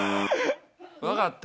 分かった。